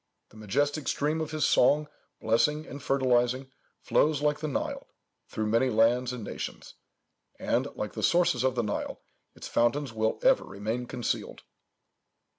The majestic stream of his song, blessing and fertilizing, flows like the Nile, through many lands and nations; and, like the sources of the Nile, its fountains will ever remain concealed."